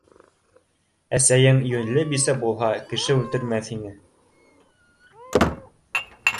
Әсәйең йүнле бисә булһа, кеше үлтермәҫ ине.